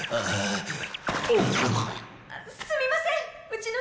すみませんうちの人が！